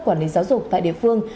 quản lý giáo dục tại địa phương